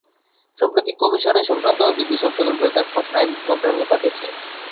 সম্প্রতি কমিশন এ-সংক্রান্ত বিধি সংশোধন করে তার খসড়া আইন মন্ত্রণালয়ে পাঠিয়েছে।